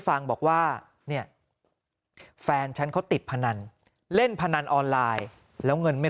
ฟังบอกว่าเนี่ยแฟนฉันเขาติดพนันเล่นพนันออนไลน์แล้วเงินไม่